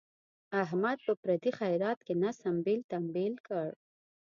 احمد په پردي خیرات کې نس امبېل تمبیل کړ.